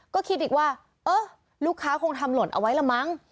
ก็คิดอีกว่าเออลูกค้าคงทำหล่นเอาไว้ละมั้ง